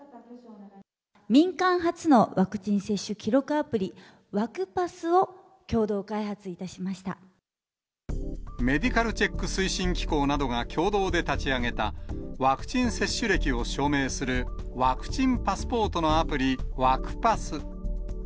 民間初のワクチン接種記録アプリ、メディカルチェック推進機構などが共同で立ち上げた、ワクチン接種歴を証明するワクチンパスポートのアプリ、ワクパス。